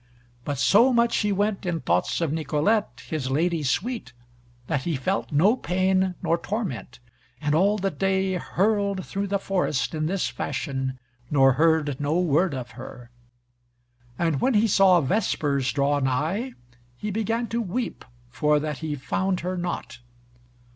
But so much he went in thoughts of Nicolete, his lady sweet, that he felt no pain nor torment, and all the day hurled through the forest in this fashion nor heard no word of her. And when he saw Vespers draw nigh, he began to weep for that he found her not.